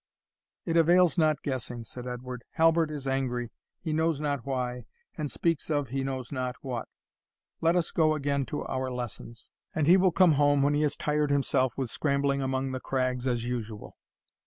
"It avails not guessing," said Edward. "Halbert is angry, he knows not why, and speaks of he knows not what; let us go again to our lessons, and he will come home when he has tired himself with scrambling among the crags as usual."